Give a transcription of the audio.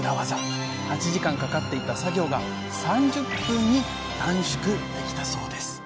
８時間かかっていた作業が３０分に短縮できたそうです。